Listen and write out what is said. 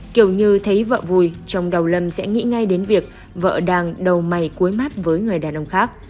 kiểu như thấy vợ chồng đầu lâm sẽ nghĩ ngay đến việc vợ đang đầu mày cuối mắt với người đàn ông khác